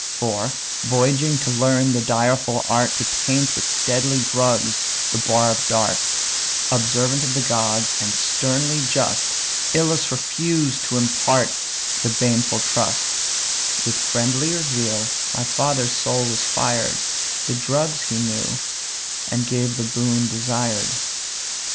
For, voyaging to learn the direful art To taint with deadly drugs the barbed dart; Observant of the gods, and sternly just, Ilus refused to impart the baneful trust; With friendlier zeal my father's soul was fired, The drugs he knew, and gave the boon desired.